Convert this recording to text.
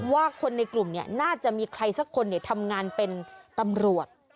ว่าคนในกลุ่มน่าจะมีใครสักคนทำงานเป็นตำรวจ